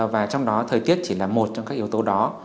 và trong đó thời tiết chỉ là một trong các yếu tố đó